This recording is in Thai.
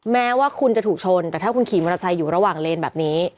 แม้ว่าคุณจะถูกชนแต่ถ้าคุณขี่มอเตอร์ไซค์อยู่ระหว่างเลนแบบนี้